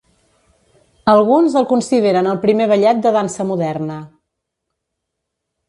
Alguns el consideren el primer ballet de dansa moderna.